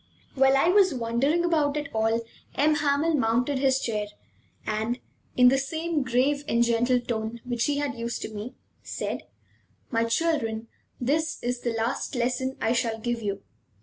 While I was wondering about it all, M. Hamel mounted his chair, and, in the same grave and gentle tone which he had used to me, said: "My children, this is the last lesson I shall give you.